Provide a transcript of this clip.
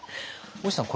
大石さん